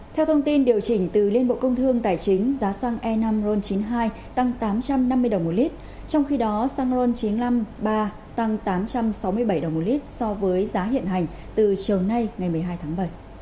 theo thông tin điều chỉnh từ liên bộ công thương tài chính giá xăng e năm ron chín mươi hai tăng tám trăm năm mươi đồng một lít trong khi đó xăng ron chín trăm năm mươi ba tăng tám trăm sáu mươi bảy đồng một lít so với giá hiện hành từ chiều nay ngày một mươi hai tháng bảy